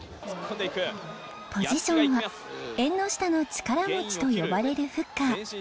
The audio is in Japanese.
ポジションは縁の下の力持ちと呼ばれるフッカー。